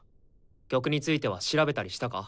曲については調べたりしたか？